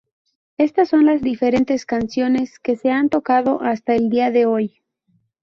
Estas son las diferentes canciones que se han tocado hasta el día de hoy.